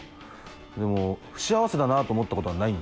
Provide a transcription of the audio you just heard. でも不幸せだなと思ったことはないんです。